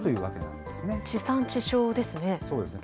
地産地消ですね。